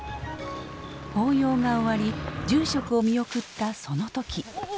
法要が終わり住職を見送ったその時。